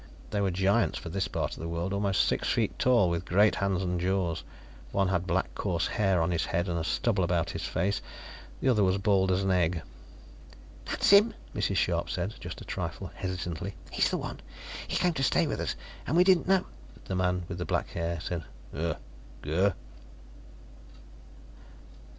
They were giants, for this part of the world, almost six feet tall, with great hands and jaws. One had black, coarse hair on his head and a stubble about his face; the other was bald as an egg. "That's him," Mrs. Scharpe said just a trifle hesitantly. "He's the one. He came to stay with us and we didn't know " The man with black hair said: "Uh. Gur."